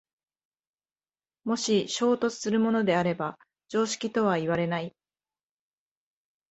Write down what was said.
もし衝突するものであれば常識とはいわれない。